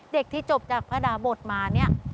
เด็กที่จบจากพระดาบทมาเนี่ย